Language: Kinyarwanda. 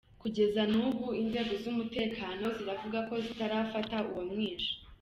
Kugeza n’ubu, Inzego z’umutekano zivuga ko zitarafata uwamwishe.